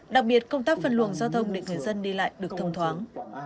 đặc biệt công tác phân luồng giao thông để người dân đi lại được thông thoáng